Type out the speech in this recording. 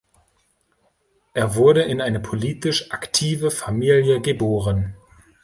Er wurde in eine politisch aktive Familie geboren.